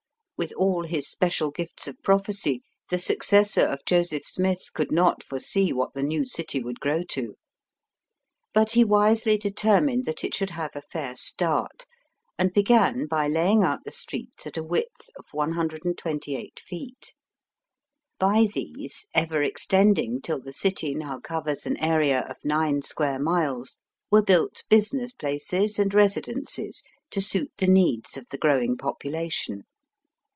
With all his special gifts of prophecy, the successor of Joseph Smith could not foresee what the new city would grow to. But he wisely determined that it should have a fair start, and began by laying out the streets at a width of 128 feet. By these, ever extending till the city now covers an area of nine square miles, were built business places and residences to suit the needs of the growing population.